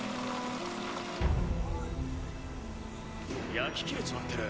焼き切れちまってる。